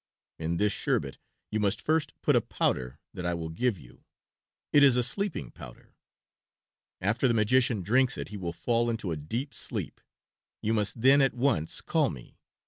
In this sherbet you must first put a powder that I will give you. It is a sleeping powder. After the magician drinks it he will fall into a deep sleep. You must then at once call me.